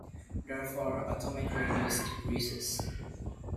Therefore, atomic radius decreases.